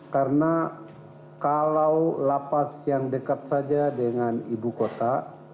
karena kalau lapas yang dekat saja dengan ibu kota